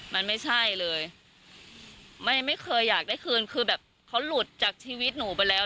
มันไม่ใช่เลยไม่ไม่เคยอยากได้คืนคือแบบเขาหลุดจากชีวิตหนูไปแล้ว